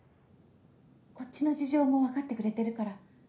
・こっちの事情もわかってくれてるから。